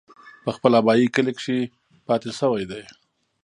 پۀ خپل ابائي کلي کښې پاتې شوے دے ۔